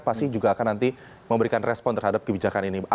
pasti juga akan nanti memberikan respon terhadap kebijakan ini